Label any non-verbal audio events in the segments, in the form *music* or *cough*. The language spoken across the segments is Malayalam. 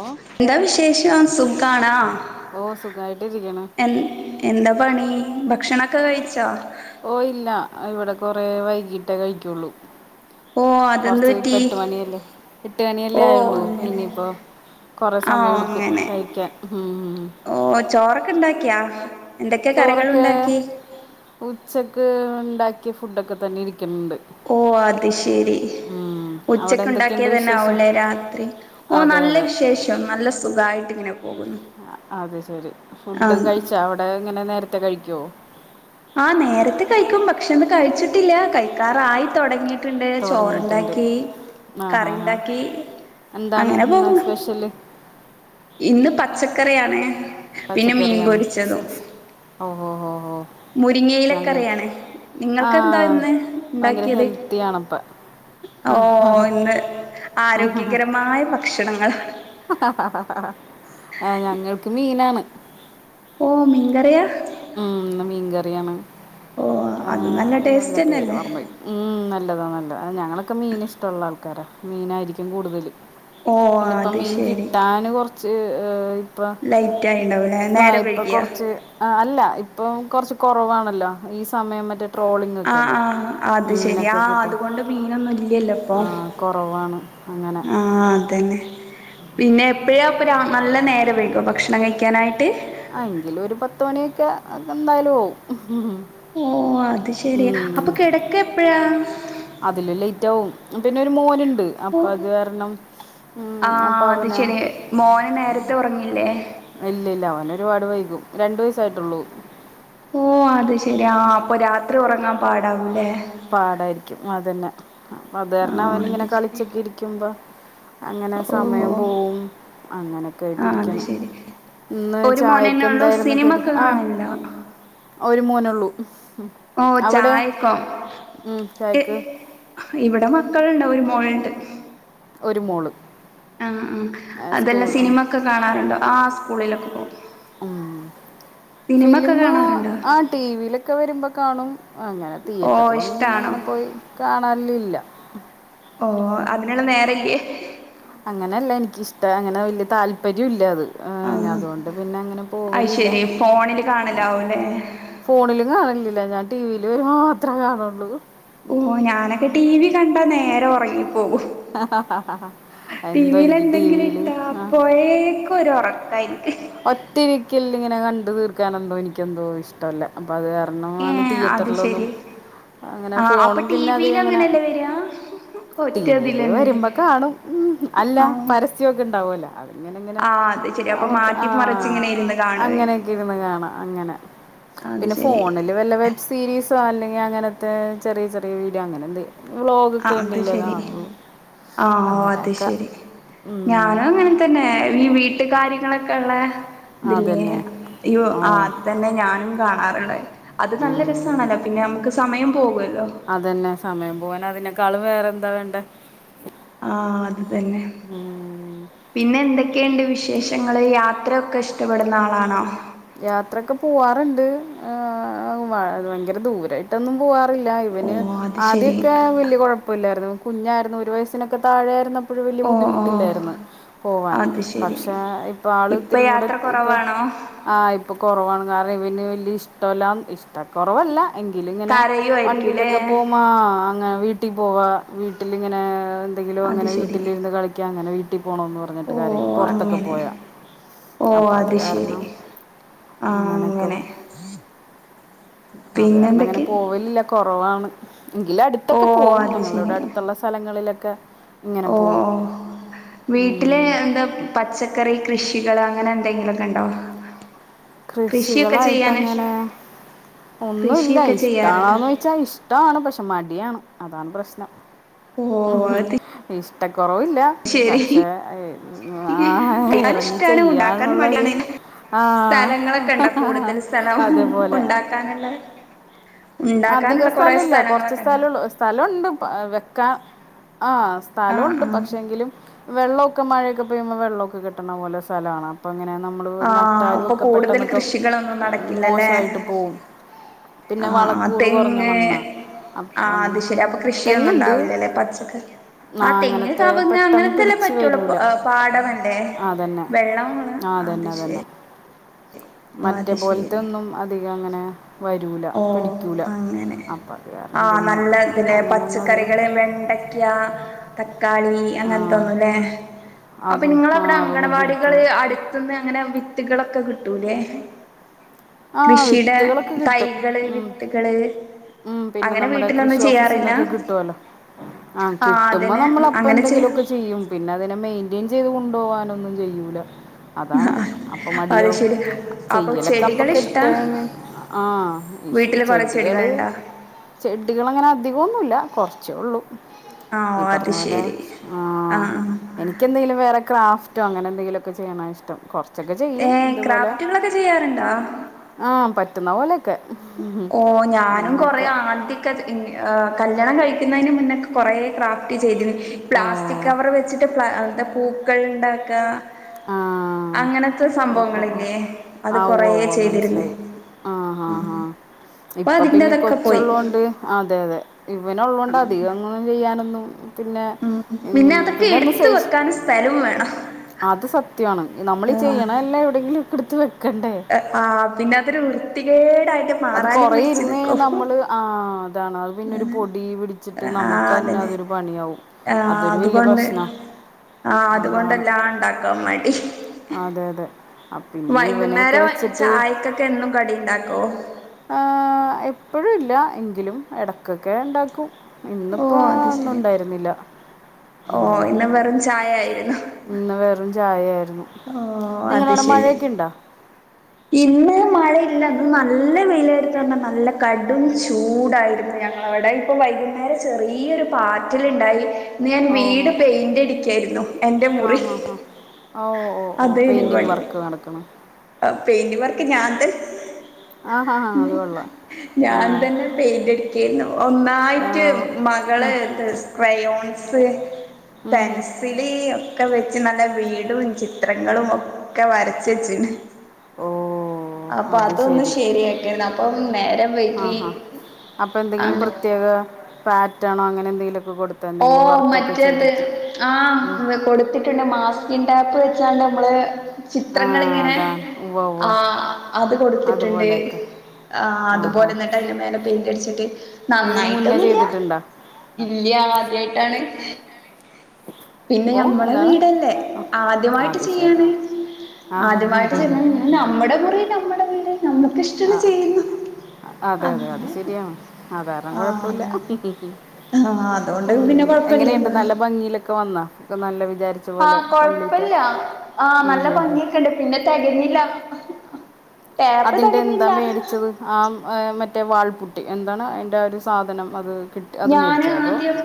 ഓ എന്താ വിശേഷം സുഖണാ ഓ സുഖായിട്ടിരിക്കണ് എ എന്താ- പണി ഭക്ഷണൊക്കെ കഴിച്ചൊ? ഓ ഇല്ല ഇവിടെ കൊറെ വൈകിട്ടേ കഴിക്കുള്ളു- ഓ അതെന്ത് കൊറച്ച് ഇപ്പ പറ്റി എട്ട് മണിയല്ലേ, എട്ട് മണിയല്ലേ ഓ ആയുള്ളൂ, അങ്ങനെ ഇനിയിപ്പോ കൊറെ ആ സമയം എടുക്കും അങ്ങനെ കഴിക്കാൻ ഉം- ക്കണ്ടാക്കിയാ? എന്തൊക്കെ കറികളുണ്ടാക്കി? ത് ഒണ്ടാക്കിയ ഫുഡ് ഒക്കെ തന്നെയാണ് - ഓ അത് ശരി- ഉം. അവിടെ എന്തൊക്കെയുണ്ട് ഉച്ചക്കൊണ്ടാക്കിയത് തന്നെ വിശേഷം ആവ്വല്ലേ രാത്രി, ഓ അതെ നല്ല അതെ വിശേഷം, നല്ല സുഖായിട്ടിങ്ങനെ അത് ശരി ആ ഫുഡ് കഴിച്ചാ അവിടെ ഇങ്ങനെ നേരത്തെ കഴിക്കുവോ? ആഹ് നേരത്തെ കഴിക്കും, പക്ഷെ ഇന്ന് കഴിച്ചിട്ടില്ല, കഴിക്കാറായി തൊടങ്ങി ട്ട്ണ്ട് തുടങ്ങിയിട്ടുണ്ട് ചോറൊണ്ടാക്കി ആ ഹാ കറി ഹാ ഇണ്ടാക്കി- എന്താണ് ഇന്ന് സ്പെഷ്യല്? ഇന്ന് പച്ചക്കറിയാണ്. പിന്നെ മീൻ പച്ചക്കറിയാണ് പൊരിച്ചതും ഓഹോ- മുരിങ്ങയിലക്കറിയാണ് ആ നിങ്ങൾക്കെന്താ ഇന്ന് ഭയങ്കര ഇണ്ടാക്കിയത്- ഹെൽത്തി ആണപ്പം ആ ആ. ഓഹ് ഇന്ന് ആരോഗ്യകരമായ ഭക്ഷണങ്ങൾ- ആഹ് ഞങ്ങൾക്ക് മീനാണ്- ഓ മീങ്കറിയാ- ഉം ഇന്ന് മീൻകറിയാണ്- ഓഹ് അല്ല- അതിൻന്റെ പേര് മറന്ന് പോയി മ് നല്ലതാണ് നല്ലത ആഹ് ഞങ്ങളൊക്കെ മീൻഷ്ടമൊള്ള ആളാ- ക്കാര മീനായിരിക്കും കൂടുതല് ഓ പിന്നെപ്പം അത് മീന് ശരി കിട്ടാന് കൊറച്ച്- ഇപ്പം ലൈറ്റ് ആയിണ്ടാവൂലേ ആഹ് നേരം ഇപ്പം വൈകിയാ കൊറച്ച്- ആഹ് ഇപ്പം കൊറച്ച് കൊറവാണല്ലോ ഈ സമയം മറ്റ് - ആഹ് ആഹ് അത് ശെരി ആ കിട്ടാൻ അതുകൊണ്ട് മീനൊന്നും ഇല്ലല്ലോപ്പൊ- ആ കുറവാണ് അങ്ങനെ ആഹ് അതന്നെ പിന്നെ എപ്പഴാ നല്ല നേരം വൈകോ ഭക്ഷണം കഴിക്കാനായിട്ട്- ആഹ് എങ്കിലും ഒരു പത്തുമണിയൊക്കെ എന്തായാലും ആവും- ഓ അത് ശെരി ഉം അപ്പൊ കിടക്ക എപ്പഴാ അതിലും ലേറ്റാവും- പിന്നെ ഒരു മോനണ്ട് ഓ അപ്പൊ അത് കാരണം- അപ്പം ആഹ് അവന് അത്ശെരി മോന് നേരത്തെ ഉറങ്ങി- ഇല്ല ഇല്ല അവന് ഒരുപാട് വൈകും രണ്ട് വയസ്സായിട്ടുള്ളൂ. ഓഹ് അത്ശരി ആ അപ്പ രാത്രി ഒറങ്ങാൻ പാടാവൂല്ലേ. പാടായിരിക്കും അതന്നെ അപ്പത് ആ കാരണം അവനിങ്ങനെ അത് ശെരി കളിച്ചൊക്കിരിക്കുമ്പോ അങ്ങനെ ഓ സമയം പോവും അങ്ങനൊക്കെ ആയിട്ട് ആ അത് ഇരിക്കണ്. ശെരി ഇന്ന് ഒരു മോനന്നെ ചായക്ക് ഉള്ളൂ എന്തായിരുന്നു സിനിമ കടി, ഒക്കെ ആഹ് കാണലുണ്ടോ ഒരു മോനള്ളൂ. ഓഹ് ചായക്കോ ഉം, ചായക്ക് ഇവിടെ മ ക്കളുണ്ടോ ഒരു മോള്ണ്ട്. ഒരു മോള്. ആഹ് ആഹ് അതെല്ലാ സ്കൂൾ സിനിമൊക്കെ കാണാറുണ്ടോ ആ സ്കൂളിലൊക്കെ പോകും. മ് സിനിമ ഒക്കെ ഫിലിമ് കാണാറുണ്ടോ ആ ടി വിലൊക്കെ വരുമ്പ കാണും, അങ്ങനെ ഓ തിയേറ്ററിലൊന്നും പിന്നങ്ങനെ ഇഷ്ടാണോ പോയി കാണാലില്ല. ഓഹ് അതിനുള്ള നേരല്ല്യേ? അങ്ങനെല്ല എനിക്കിഷ്ട അങ്ങനെ വല്യ താല്പര്യം ഇല്ല അത്. ഏ ഞാ ആഹ് അതുകൊണ്ട് പിന്നങ്ങനെ അത് പോവലില്ല, ശെരി ഫോണില് അങ്ങനെ. കാണലാവൂല്ലേ ഫോണിലും കാണല്ലില്ല, ഞാൻ ടി വില് വരുമ്പോ മാത്രേ കാണുള്ളൂ. ഓഹ് ഞാനൊക്കെ ടി വി കണ്ടാ നേരെ ഒറങ്ങിപ്പോകും. ടി എന്തോ എനിക്ക് ടി വിലെന്തെങ്കിലും വിയിൽ ഇട്ടാ അപ്പോഴെക്കൊരൊറക്കായിരി ഒറ്റിരിക്കലിനിങ്ങനെ കണ്ടു തീർക്കാനെന്തോ എനിക്കെന്തോ ഇഷ്ടല്ല. അപ്പത് കാരണമാണ് ഏഹ് അത് തിയേറ്ററിലൊന്നും ശെരി അങ്ങനെ ആഹ് അപ്പൊ ഫോണും പിന്നെ ടിവിൽ അധികങ്ങനെ അങ്ങനെയല്ലേ വരാ ടി വില് ഒറ്റതിലന്നെ വരുമ്പ കാണും, മ് അല്ല ആഹ് പരസ്യൊക്കെ ഇണ്ടാവുല്ലാ. ആഹ് അത് ശെരിയാ അപ്പ മാ ആഹ് അങ്ങനെയൊക്കിരുന്ന് കാണാം അങ്ങനെ. *unintelligible* അത് പിന്നെ ശെരി ഫോണില് വല്ല വെബ്സീരീസ് അല്ലെങ്കി അങ്ങനത്തെ ചെറിയ ചെറിയ വീഡിയോ അങ്ങനെന്തെലും വ്ളോഗൊക്കെ എന്തെങ്കിലേ കാണോറുള്ളു- ആഹ് ഓ അത്ശെരി ഉം. ഞാനും അങ്ങനെ തന്നെ ഈ വീട്ട- വീട്ട് കാര്യങ്ങളൊക്കെ ഉള്ള ഇതിലെ അതന്നെ അയ്യോ ഓ അത് തന്നെ ഞാനും കാണാറുള്ള- ഉം സമയം പോകുവല്ലോ അതന്നെ സമയം പോവാന അതിന ക്കാളും വേറെന്താവേണ്ടെ ആഹ് അത്തന്നെ ഉം. പിന്നെ എന്തൊക്ക ക്കെയ്ണ്ട് വിശേഷങ്ങൾ യാത്രയൊക്കെ ഇഷ്ടപ്പെടുന്നാളാണോ? പണ്ട്. ഭയങ്കര ദൂരയിട്ടൊന്നും പോവാറില്ല- ഓ അവന് അത് ശരി ആദ്യമൊക്കെ വലിയ കുഴപ്പില്ലായിരുന്നു കുഞ്ഞായിരുന്നു ഒരു വയസിനൊക്കെ താഴെയായിരുന്ന അപ്പോഴ വലിയ ഓ ഓ ബുദ്ധിമുട്ടില്ലായിരുന്നു. പോവാൻ അത് ശരി പക്ഷേ ഇപ്പൊ ആള് ഇത്തിരിം കൂടെ യാത്ര ഇപ്പൊ കുറവാണോ ആഹ് ഇപ്പൊ കുറവാണ് കാരണം ഇവന് വലിയ ഇഷ്ടമല്ല ഇ കൊറവല്ല എങ്കിലിങ്ങനെ കരയുവായിരിക്കുംല്ലേ വണ്ടിലൊക്കെ പോകുമ്പ ആ വീട്ട കട്ടി പോവാ വീട്ടിലിങ്ങനെ എന്തെങ്കിലും അത് അങ്ങനെ ശരി വീട്ടിലിരുന്ന് കളിക്കാ അങ്ങനെ വീട്ടി പോണംന്ന് പറഞ്ഞിട്ട് ഓ കരയും പൊറത്തൊക്കെ അങ്ങനെ പോയാ ഓ അത് ശരി ആ നനക്കും അത് കാരണങ്ങനെ പിന്നെന്തൊക്കെ പോവലില്ല കൊറവാണ് എങ്കില ഓ അടുത്തൊക്കെ പോകവും അത് ശരി ഞങ്ങളുടെ അടുത്തുള്ള സ്ഥലങ്ങളിലൊക്കെ ഇങ്ങനെ ഓ പോവും ഓ വീട്ടിലെ ഉം. എന്താ പച്ചക്കറി കൃഷി കുട്ടികള് അങ്ങനെ എന്തെങ്കിലുമൊക്കെ ഉണ്ടോ കൃഷിയൊക്കെ കൃഷികളായിട്ട് ചെയ്യാന് എങ്ങനെ ഒന്നുമല്ല കൃഷിയൊക്കെ ചെയ്യാറുണ്ടോ ഇഷ്ടാണന്ന് ചോച്ചാൽ ഇഷ്ടമാണ് പക്ഷെ മ അതാണ് പ്രശ്നം ഓ അത് ഇഷറവ ശരി പക്ഷെ ആ കഴിക്കാൻ ഇറങ്ങി ഇഷ്ടാണ് ഉണ്ടാക്കാൻ ചെയ്യനുള്ളൊരു മടിയാണ് ആഹ് സ്ഥലങ്ങളൊക്കെ ഉണ്ടോ കൂടുതൽ സ്ഥലം അതേപോലെ ഉണ്ടാക്കാനുള്ള അധിക ഉണ്ടാക്കാനുള്ള കൊറേ സ്ഥലം ഇല്ല കുറച്ച് സ്ഥലങ്ങളൊക്കെ ഉണ്ടോ സ്ഥലം സ്ഥലംുണ്ട് വെക്കാ ആഹ് ആ സ്ഥലമുണ്ട് ആ പക്ഷെങ്കിലും വെള്ളമൊക്കെ ക്കെ മഴൊക്കെപ്പെയ്യുമ്പൊ വെള്ളൊക്കെ കെട്ടണ പോല സ്ഥലാണ് അപ്പൊങ്ങന നമ്മള് ആഹ് അപ്പൊ നട്ടാലുംക്കെ കൂടുതൽ പെട്ടെന്നൊക്കെ കൃഷികളൊന്നും നടക്കില്ലല്ലേ മോശായിട്ട് പോവും പിന്നെ ആഹ് ആഹ് വളക്കൂറ് കുറഞ്ഞ തെങ്ങ് മണ്ണ് ആഹ് അപ്പങ്ങന അത് ശരി അപ്പൊ കൃഷിയൊന്നും തെങ്ങുണ്ട് ഉണ്ടാവില്ലല്ലേ പച്ചക്കറി ആഹ് തെങ്ങ് ന്നാങ്ങനത്തെ കവുങ്ങ് പെട്ടന്ന് അങ്ങനത്തെല്ലേ പിടിച്ചു പറ്റുള്ളൂ വരൂല പാടമല്ലേ അതന്നെ വെള്ളമാണ് അത് ആതന്നെ തന്നെ ശരി ഓഹ് മറ്റേ അത് പോലത്ത ശരി ഒന്നും അധികം അങ്ങനെ വരൂല പിട ഓഹ് അങ്ങനെ ആ നല്ല ഇന്നെ അങ്ങനെയൊന്നും അധികം പച്ചക്കറികള് വെണ്ടക്ക തക്കാളി യി ആ അങ്ങനത്തെപോലെ അപ്പോ അതും ആ നിങ്ങടവിടെ അതൊന്നും അംഗനവാടികള് പിടിക്കില്ല അട്ത്ത്ന്ന് അങ്ങനെ വിത്തുകളൊക്കെ കിട്ടൂലേ ആഹ് കൃഷിയുടെ വിത്തുകളൊക്കെ കി തൈകള് വിത്തുകള് ഉം പിന്നെ അങ്ങനെ നമ്മുടെ വീട്ടിലൊന്നും കൃഷി ചെയ്യാറില്ല ഓഫീസിൽന്നൊക്കെ കിട്ടുവല്ലോ ആഹ ആ കിട്ടുമ്പോ അതിനെ നമ്മൾ അപ്പ അങ്ങനെ ചെയ്യ എന്തെങ്കിലും ക്കെ ചെയ്യും പിന്നെ അതിനെ മെയിന്റെയിൻ ചെയ്ത് കൊണ്ട്പോകാനൊന്നും ചെയ്യൂല ആ അതാണ് അപ്പ അത് മടിയവും ശരി അപ്പൊ ചെയ്യലൊക്കെ അപ്പൊ ചെടികൾ കെട്ട ഇഷ്ടാ ആഹ വീട്ടില് കൊറെ ചെടികള് ചെടികളുണ്ടോ ചെടികളങ്ങനെ അധികൊന്നുല്ല കുറച്ചേയുള്ളൂ ആ ഓ ഈ അത് പറഞ്ഞ പോലെ ശരി ആ എനിക്ക എന്തെങ്കിലും വേറെ ക്റാ റ്റും അങ്ങനെന്തെങ്കിലൊക്കെ ചെയ്യണതാ ഇഷ്ടം കുറച്ചൊക്കെ ചെയ്യും ഏ ഇതുപോലെ ക്രാഫ്റ്റുകളൊക്കെ ചെയ്യാറുണ്ടോ ആഹ് പറ്റുന്ന പോലെ ഓ ഞാനും കൊറെ ആദ്യൊക്കെ കല്യാണം കഴി മുന്നക്കെ കുറേ ക്രാഫ്റ്റ് ചെയ്തി ഓ പ്ലാസ്റ്റിക് കവർ വെച്ചിട്ട് പൂക്കൾ ഉണ്ടാക്ക ആ അങ്ങനത്തെ ഓ ഓ ഓ സംഭവങ്ങളില്ലേ അത് ആ ഉവ്വ കൊറേ ഉവ്വ ചെയ്തിരുന്ന് മനസ്സിലായി ആ ആഹ് ഇപ്പൊ അതിന്റെ പിന്നെ അതൊക്കെ പോയി കൊച്ചള്ളത്ൊണ്ട് അതെ അതെ അവനെ ഉള്ളതുകൊണ്ട് അധികം അങ്ങും ചെയ്യാനൊന്നെന്നും ഉം പിന്നെ അതൊക്കെ എടുത്ത സേവ് വെക്കാൻ സ്ഥലവും വേണം ത്യാണ് നമ്മളി ചെയ്യണതെല്ലാം എവിടെങ്കിലും എടുത്ത് വെ ആ പിന്നെ അതൊരു വൃത്തിക- അത് കൊറ ഇരുന്ന് നമ്മള് ആ അതാണ് അത് പിന്നെ ഒരു അങ്ങനെ പൊടി പിടിച്ചിട്ട് നമുക്കെന്നെ പിന്നെ അതൊരു പണിയവും- ആ അതുകൊണ്ട് ആ അതാണ് അതുകൊണ്ടല്ലാം ഉണ്ടാക്ക മടി അതെ അതെ ആ, പിന്നെ ഇവനെയൊക്കെ വൈകുന്നേരം വെച്ചിട്ട് ചായക്കൊക്കെ എന്നും കടി ഉണ്ടാക്കോ ആഹ് എപ്പഴുല്ല എങ്കിലും ഇടയ്ക്കൊക്കെ ഉണ്ടാക്കും. ഓ ഇന്നിപ്പോ അത് ശരി ഒന്നുംണ്ടായിരുന്നില്ല- ഓ ഇന്ന വെറും ചായ ആയിരുന്നു. ഇന്ന് വെറും ചായയായി ഓ അത് ശരി ഇന്ന് മഴയില്ല അ ഇന്ന് നല്ല വെയിലായിരുകും നല്ല കടും ചൂടായിരുന്നു ഞങ്ങളവിടെ ഇപ്പൊ വൈകുന്നേരം ചെറിയൊരു പാറ്റിൽണ്ടായി ഇന്ന് ഞാൻ ഓ വീട് ഓ. പെയിന്റ് അടിക്കായിരുന്നു എൻ്റെ ആ മുറി ഹാ ഹാ ഓ ഓ ഓ അതേനു പെയിന്റിങ് പണി വർക്ക് നടക്കണു പെയിന്റ് വർക്ക് ഞാന്തൻ ആ ഹാ ഹാ അത് കൊള്ളാം ആ ഞാൻ തന്നെ പെയിന്റ് എടക്കരുന്നു ആ, ഒന്നായിട്ട് ഉം, മകള് സ്ക്രയോൺസ് ഉം, ഉം. പെൻസില് ഒക്കെ വ നല്ല വീടും ചിത്രങ്ങളും ഒക്കെ വരച്ച വെച്ചിണ് ഓ അപ്പൊ അത് അതൊന്ന് ശരി ശരിയ ആ അപ്പൊ എന്തെങ്കിലും അങ്ങ പ്രത്യേക ആാണോ അങ്ങെന്തെിലും - ഓ മറ്റേത് ഉം. ആഹ് കൊടുത്തിട്ടുണ്ട് മാസ്കിൻ ടാപ്പ് വെച്ചാണ്ട് നമ്മള് ആ ചിത്രങ്ങ ഇങ്ങനെ അതാണ് ഉവ്വ ഉവ്വ ആ അത് കൊടുത്തിട്ടുണ്ട് അതുപോലെയൊക്കെ ആ അതുപോലെ എന്നിട്ട് അതിന് മേലെ പെന്റ് അടിച്ചിട്ട് ഇതിന് മുന്നേ നന്നായിട്ടൊന്നില്ല ചെയ്തിട്ടുണ്ടോ ഇല്ല ആദ്യായിട്ടാണ് പിന്നെ ഓ ഞമ്മളെ എന്താണ് വീടല്ലേ ആ ആദ്യമായിട്ട് അത് ശരി ചെയ്യാണ് ആ അദ്യമായിട്ട് ചെയ്ണ് നമ്മുടെ മുറി നമ്മക്കി ആ ഇഷ്ടമാണ് ചെയ്യുന്ന അതെ അതെ അത് ശെരിയാണ്. അതാരണം ആ കൊഴപ്പൊല്ല. അതാണ് *unintelligible* ആ അതുകൊണ്ട് പിന്നെ എങ്ങനെണ്ട് കൊഴപ്പില്ലല്ലോ നല്ല ഭംഗിയിലക്കെ വന്നാ ഒക്കെ നല്ല വിചാരിച്ച പോലെ ആഹ കംപ്ലീറ്റ് കൊഴപ്പില്ല ആയിട്ട് ആഹ് ഉം നല്ല ഉം ഉം. ഭംഗിയൊക്കെണ്ട് പിന്നെ തികഞ്ഞില്ല ടാപ്പ് അതിന്റെ എന്താ തികഞ്ഞില്ല മേടിച്ചത് ആം ഏഹ് മറ്റേ വാൾപുട്ടി എൻ അതാണ് എന്റെ ഒരു സാധനം അത് കിട്ടി അത് ഞാന് മേടിച്ചോ അതോ ആദ്യം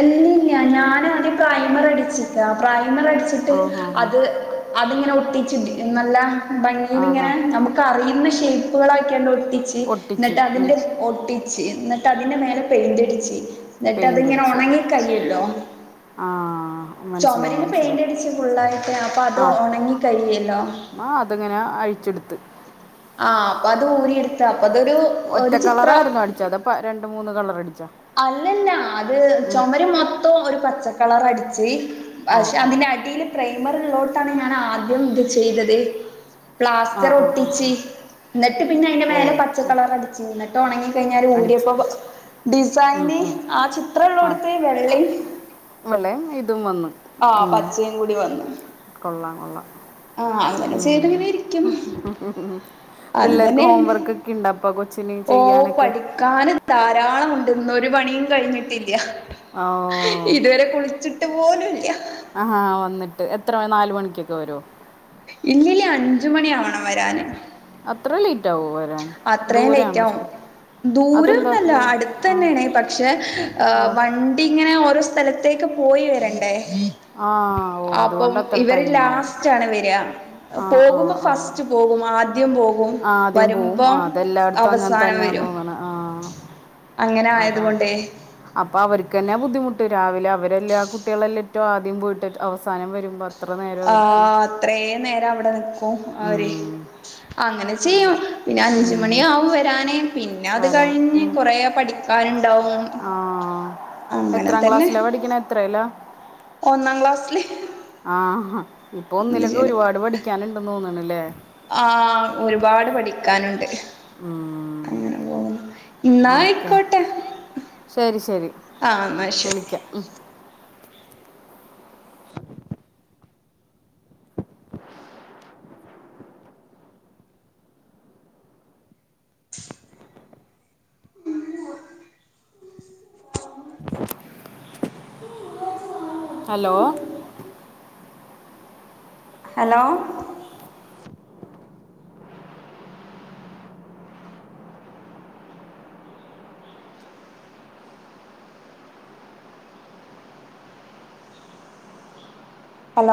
അല്ലല്ല ഞാന ആദ്യം പ്രായ്മർടിച്ചിട്ട് പ്രായ കടിച്ചിട്ട് ആ ഹാ ഹാ അത് അങ്ങനെ ഒട്ടിച്ച നല്ല - ഭംഗീല് ആ ഹാ ഇങ്ങനെ നമുക്ക് അറിയുന്ന ഷെയ്പ്പുകളാക്കിയാണ്ട് ഓല് ട്ടിച്ച് ഒട്ടിച്ച് ഇന്നിട്ട് അതിന്റെ ഒട്ടിച്ച് ഇന്നിട്ട് അതിന്റെ മേലെ പെയിന്റ്ടിച്ച്. എന്നിട്ട് അത്ങ്ങനെ ഉണങ്ങി കയല്ലോ ആഹ ചുമരന് പെയിന്റ്ടിച്ച് ഫുള്ളായിട്ട് അപ്പൊ അത് ഉണങ്ങി കഴിയല്ലോ അ അതെങ്ങനെ അഴിച്ചെടുത്ത് ആ അപ്പ അത് ഊരി എട്ത്താ ഒറ്റകളറായിരുന്നു അടിച്ച അതപ്പ രണ്ടു മൂന്ന് കളർ അടിച്ചാ അല്ലല്ല അത് ചൊമര് മൊത്തം ഒര് പച്ചക്കളറ് അടിച്ച് ഓ പഷെ ഓ അതിന്റെ അടിയില് പ്രൈമറ് ള്ളോട്ത്താണ് ഞാന് ആദ്യം ഇത് ചെയ്തത്. ആ പ്ലാസ്റ്ററ് ആ ആ ആ. ഒട്ടിച്ച് ഇന്നിട്ട് പിന്നെ അയിന്റെ ഓ മേലെ ഓ. പച്ചക്കളർ അടിച്ച് ഇന്നിട്ട് ഒണങ്ങി. ഇപ്പ ഞാന് അടിച്ച് ഊരിയപ്പ ഉം, സണ്ണി ഉം. ആ ചിത്ര ആ ഉള്ളടുത്തെ ആ. വെള്ളിം വെള്ളയും ഇതും വന്ന് ആ പ ഉം. പച്ചെയേം കൂടി വന്ന്. കൊള്ളാം കൊള്ളാം ചെയ്തിങ്ങനെ ഇരിക്കും ഉം അത് പിള്ളേർക്ക് തന്നെയാണ് ഹോംവർക്ക് ഒക്കെ ഇണ്ടപ്പ കൊച്ചന് ഓ ചെയ്യാനൊക്കെ ട്ട് ഇന്നൊരു പണിയും കഴിഞ്ഞിട്ടില്ല. അഹ് ഓ ഇതുവരെ കുളിച്ചിട്ട് പോലുംല്ല അഹാ വന്നിട്ട് എത്ര നാല് ഒരു മണിക്കൊക്കെ വരോ ഇല്ലില്ല അഞ്ച് മണി ആവണം വരാന്. അത്ര ലി - അത്രേം ലേറ്റ് ആവും. അതെന്താ ദൂരന്നല്ല ദൂരം? അടുത്ത ആ തന്നെയണേ പക്ഷെ ആ വണ്ടി ഇങ്ങനെ ഓരോ സ്ഥലത്തേ പോയി വരണ്ടേ ആ ഓ അപ്പം അതുകൊണ്ട് അത്ര ഇവര് ടൈം ആവും ലാസ്റ്റ് ആണ് വരിക ആ ആ പോകുമ്പ ആ ഫസ്റ്റ് ആ പോകും. ആദ്യം പോകും. ആദ്യം പോവും ആ വരുമ്പം അതെല്ലാട്ത്തും അങ്ങനെ അവസാനം തന്നെയ വരും തോന്നണ ആഹ് അങ്ങനെ ആയത് അതാ കൊണ്ടേ അപ്പൊ അവർക്ക്ന്നെ ബുദ്ധിമുട്ട്രാ - അവരെല്ലാം ആ കുട്ടികളെല്ലാം റ്റ ആദ്യം പോയിട്ട് അവസാനം വരുമ്പോ അത്ര നേരം അവർക്ക് ആഹ് അത്രേ നേരം അവിടെ നി ക്കുംഅവര്. ഉം. അങ്ങനെ ചെയ്യാം പിന്നെ അഞ്ച് ഉം മണി ഹും. ആവും വെരാന് പിന്നെ അത് കഴി വരാൻ കഴിഞ്ഞ് ഉം. കൊറേ പഠിക്കാന്ണ്ടാവും. ആ എത്രാം ക്ലാസ്സിലാ പഠിക്ക്ണെ? എത്രേലാ? ഒന്നാം ക്ലാസില് ആ ഇപ്പൊ ഒന്നിലൊക്കെ ഒരുപാട് പഠിക്കാനുണ്ടന്ന് തോന്നണല്ലേ ആഹ് ഒര്പാട് പഠിക്കാനുണ്ട്, അങ്ങനെ പോവുന്നത് ഓക്കെ എന്നയിക്കോട്ടെ ശരി ശരി ആ ശരി വിളിക്കാം ഉം. Hello hello hello